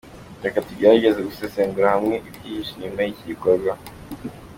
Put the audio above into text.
Reka tugerageze gusesengurira hamwe ibyihishe inyuma y’iki gikorwa.